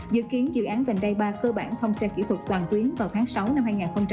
dự kiến dự án vành đai ba cơ bản thông xe kỹ thuật toàn tuyến vào tháng sáu năm hai nghìn hai mươi